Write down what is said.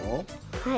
はい。